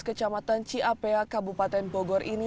kecamatan ciapea kabupaten bogor ini